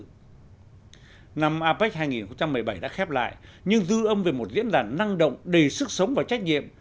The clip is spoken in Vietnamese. năm apec hai nghìn một mươi bảy đã khép lại nhưng dư âm về một diễn đàn năng động đầy sức sống và trách nhiệm